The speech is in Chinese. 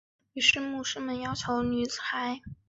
于是牧师们要求女孩必须指出哪些是使用巫术的人。